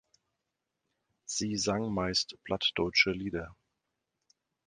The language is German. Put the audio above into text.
Sie sang meist plattdeutsche Lieder.